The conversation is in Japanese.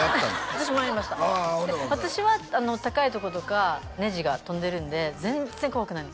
私もやりましたああほんなら私は高いとことかネジが飛んでるんで全然怖くないんですよ